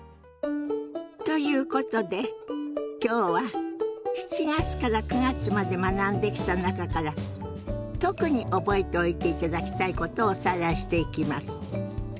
ということで今日は７月から９月まで学んできた中から特に覚えておいていただきたいことをおさらいしていきます。